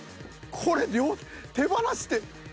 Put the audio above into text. これ両手放しって。